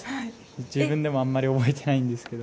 自分でもあまり覚えてないんですけど。